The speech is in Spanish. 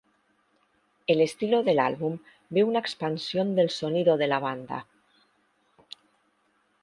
El estilo del álbum ve una expansión del sonido de la banda.